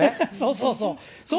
そうそうそう。